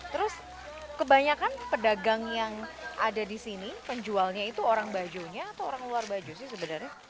terus kebanyakan pedagang yang ada di sini penjualnya itu orang bajunya atau orang luar baju sih sebenarnya